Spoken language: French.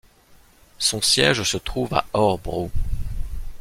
Son siège se trouve à Örebro.